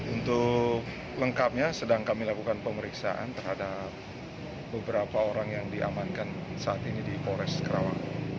untuk lengkapnya sedang kami lakukan pemeriksaan terhadap beberapa orang yang diamankan saat ini di polres kerawang